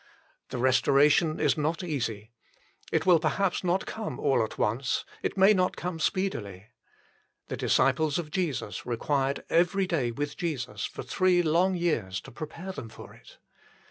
The restoration is not easy. It will perhaps not come all at once : it may not come speedily. The disciples of Jesus required every day with Jesus for three long years to prepare them for it.